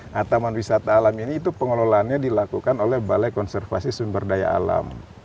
nah taman wisata alam ini itu pengelolaannya dilakukan oleh balai konservasi sumber daya alam